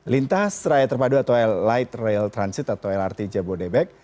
lintas raya terpada atau lrt jabodebek